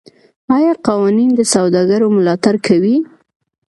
آیا قوانین د سوداګرو ملاتړ کوي؟